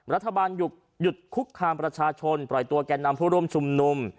รัฐบาลหยุดคุกคามประชาชนปล่อยตัวแก่นำผู้ร่วมชุมนุม